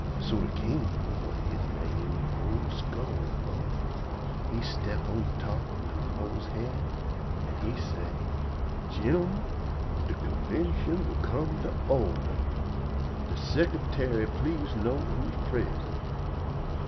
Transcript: So de king, whut he name old Skull an' Bones, he step on top ob li'l Mose's head, an' he say: "Gin'l'min, de convintion will come to order. De sicretary please note who is prisint.